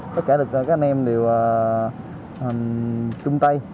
tất cả các anh em đều trung tay